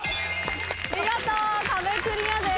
見事壁クリアです。